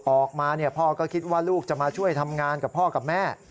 ออกมาพ่อก็คิดว่าลูกจะมาช่วยทำงานกับพ่อกับแม่